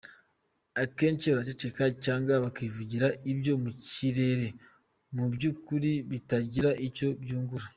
Akenshi baraceceka cyangwa bakivugira ibyo mu kirere mu by’ukuri bitagira icyo byungura.